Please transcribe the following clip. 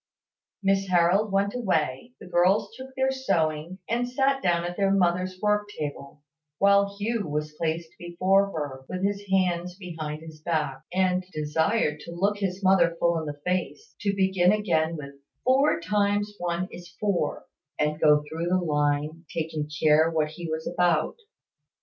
Miss Harold went away, the girls took their sewing, and sat down at their mother's work table, while Hugh was placed before her, with his hands behind his back, and desired to look his mother full in the face, to begin again with "four times one is four," and go through the line, taking care what he was about.